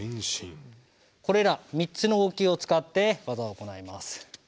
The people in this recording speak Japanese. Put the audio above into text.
これら３つの動きを使って技を行います。